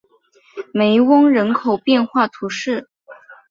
梅翁人口变化图示